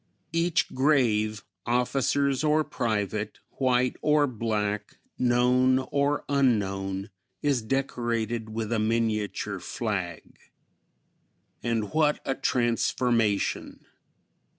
Each grave, officers or private, white or black, known or unknown, is decorated with a miniature flag. And what a transformation!